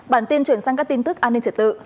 bản tin chuyển sang các tin tức an ninh trật tự